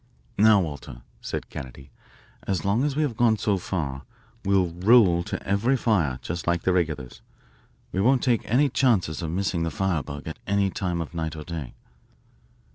"Now, Walter," said Kennedy, "as long as we have gone so far, we'll 'roll' to every fire, just like the regulars. We won't take any chances of missing the firebug at any time of night or day."